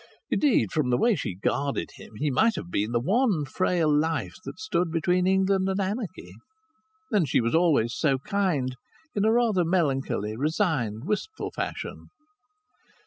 Indeed, from the way she guarded him, he might have been the one frail life that stood between England and anarchy. And she was always so kind, in a rather melancholy, resigned, wistful fashion.